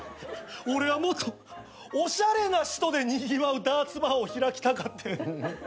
俺はもっとおしゃれな人でにぎわうダーツバーを開きたかってん。